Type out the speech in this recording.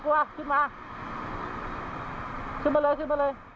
ขึ้นมาเลยขึ้นมาเลย